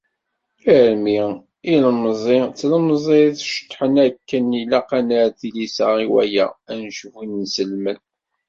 Armi ilemẓi d tlemẓit ceṭṭḥen akken, ilaq ad nerr tilisa i waya, ad necbu inselmen.